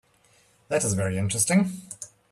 That is very interesting.